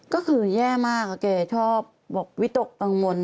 ก็คือแย่มากแกชอบบอกวิตกกังวล